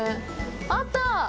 あった。